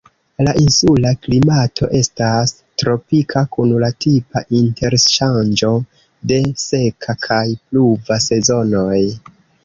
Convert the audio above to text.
La insula klimato estas tropika, kun la tipa interŝanĝo de seka kaj pluva sezonoj.